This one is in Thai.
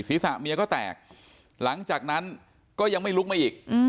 ศีรษะเมียก็แตกหลังจากนั้นก็ยังไม่ลุกมาอีก